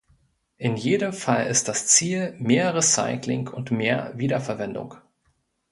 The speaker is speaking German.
In jedem Fall ist das Ziel mehr Recycling und mehr Wiederverwendung.